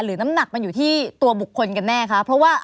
น้ำหนักมันอยู่ที่ตัวบุคคลกันแน่คะเพราะว่า